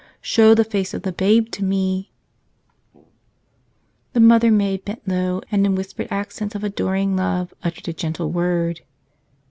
"Show the face of the Babe to me !" The Mother Maid bent low and in whispered accents of adoring love uttered a gentle word.